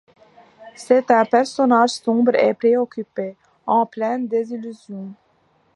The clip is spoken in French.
C'est un personnage sombre et préoccupé, en pleine désillusion.